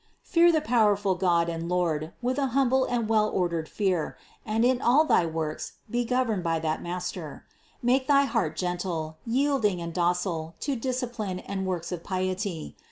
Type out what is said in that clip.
Fear the powerful God and Lord with an humble and a well ordered fear, and in all thy works be governed by that Master. Make thy heart gentle, yielding and docile to discipline and works of piety.